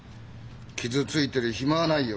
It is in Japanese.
傷ついてる暇はないよ。